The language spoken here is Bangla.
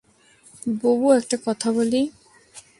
বুবু, একটা কথা বলি?